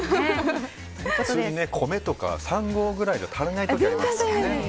米とか３合ぐらいじゃ足りない時ありますよね。